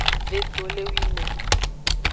Vetolewime.